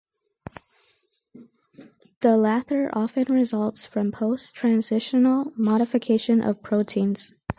The latter often results from post-translational modification of proteins.